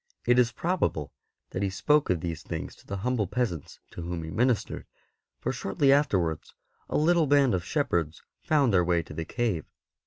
It is probable that he spoke of these things to the humble peasants to whom he ministered, for shortly afterwards a little band of shepherds found their way to the cave.